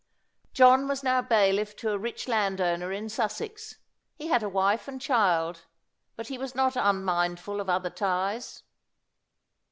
John was now bailiff to a rich landowner in Sussex. He had a wife and child; but he was not unmindful of other ties.